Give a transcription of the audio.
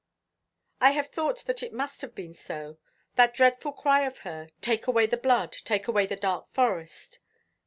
'" "I have thought that it must have been so. That dreadful cry of hers, 'Take away the blood! take away the dark forest!'